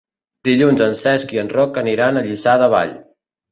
Dilluns en Cesc i en Roc aniran a Lliçà de Vall.